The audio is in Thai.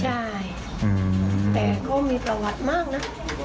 ใช่แต่ก็มีประวัติมากนะ